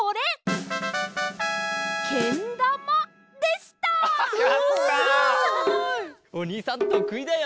すごい！おにいさんとくいだよ！